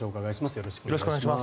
よろしくお願いします。